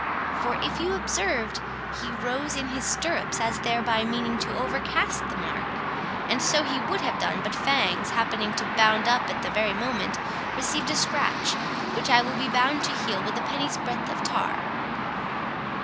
For, if you observed, he rose in his stirrups, as thereby meaning to overcast the mark; and so he would have done, but Fangs happening to bound up at the very moment, received a scratch, which I will be bound to heal with a penny's breadth of tar."